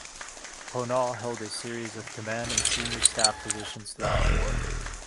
Pownall held a series of command and senior staff positions throughout the war.